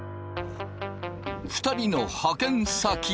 ２人の派遣先。